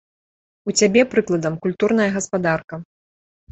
У цябе, прыкладам, культурная гаспадарка.